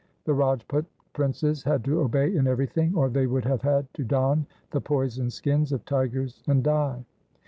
The Rajput princes had to obey in everything, or they would have had to don the poisoned skins of tigers and die.